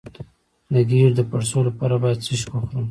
د ګیډې د پړسوب لپاره باید څه شی وخورم؟